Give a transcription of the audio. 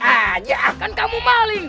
aduh kamu maling